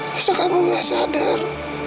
masa kamu gak sadar